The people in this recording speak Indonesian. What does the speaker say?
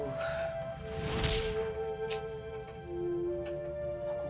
lagi saja dia